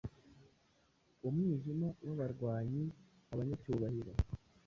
Umwijima wabarwanyi Abanyacyubahiro